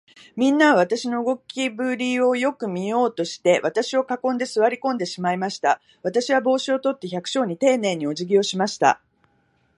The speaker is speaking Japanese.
みんなは、私の動きぶりをよく見ようとして、私を囲んで、坐り込んでしまいました。私は帽子を取って、百姓にていねいに、おじぎをしました。